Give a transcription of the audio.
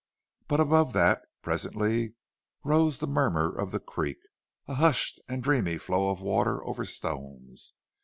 But above that, presently, rose the murmur of the creek, a hushed and dreamy flow of water over stones.